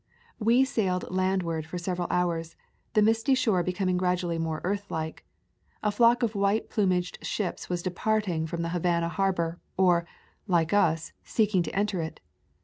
We sailed landward for several hours, the misty shore be coming gradually more earthlike. A flock of white plumaged ships was departing from the Havana harbor, or, like us, seeking to enter it.